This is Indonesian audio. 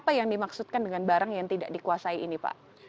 apa yang dimaksudkan dengan barang yang tidak dikuasai ini pak